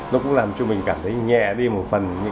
nó cũng làm cho mình cảm thấy nhẹ đi một phần